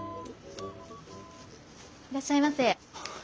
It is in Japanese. いらっしゃいませ。